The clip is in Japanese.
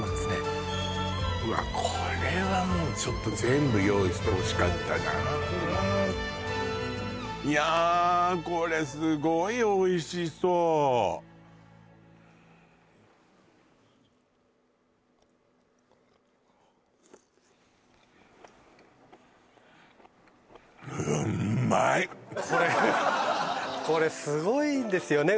これはもうちょっと全部用意してほしかったないやこれこれこれすごいんですよね